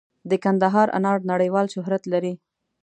د کندهار انار نړیوال شهرت لري.